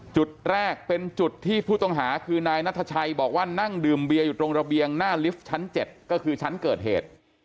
จุดแรกเป็นจุดที่ผู้ต้องหาคือนายนัทชัยบอกว่านั่งดื่มเบียอยู่ตรงระเบียงหน้าลิฟท์ชั้น๗ก็คือชั้นเกิดเหตุ